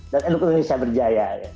dan indonesia berjaya ya